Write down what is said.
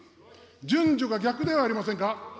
順序が逆ではありませんか。